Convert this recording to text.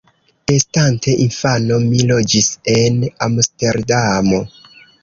Estante infano mi loĝis en Amsterdamo.